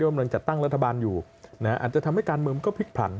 ที่มันเดินจากตั้งรัฐบาลอยู่อาจจะทำให้การเมืองมันก็พลิกผลัน